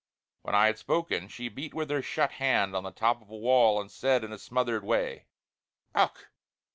When I had spoken, she beat with her shut hand on the top of the wall and said in a smothered way: "Och!